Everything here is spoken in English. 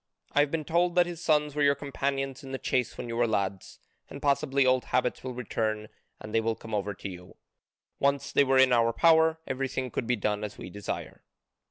I have been told that his sons were your companions in the chase when you were lads, and possibly old habits will return and they will come over to you. Once they were in our power, everything could be done as we desire."